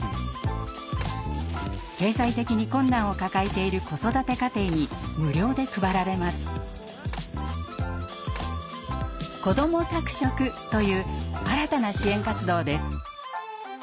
経済的に困難を抱えている子育て家庭に無料で配られます。という新たな支援活動です。